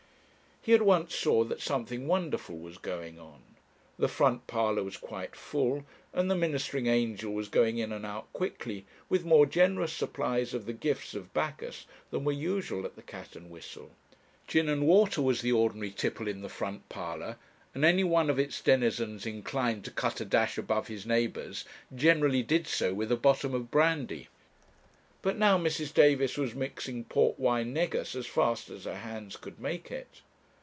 He at once saw that something wonderful was going on. The front parlour was quite full, and the ministering angel was going in and out quickly, with more generous supplies of the gifts of Bacchus than were usual at the 'Cat and Whistle.' Gin and water was the ordinary tipple in the front parlour; and any one of its denizens inclined to cut a dash above his neighbours generally did so with a bottom of brandy. But now Mrs. Davis was mixing port wine negus as fast as her hands could make it.